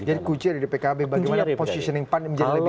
jadi kunci dari pkb bagaimana positioning pan